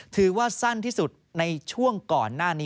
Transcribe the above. ถือว่าสั้นที่สุดในช่วงก่อนหน้านี้